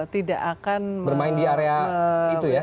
tidak akan bermain di area itu ya